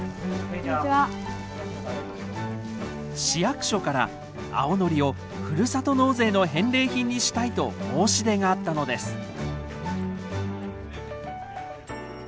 市役所からあおのりをふるさと納税の返礼品にしたいと申し出があったのです。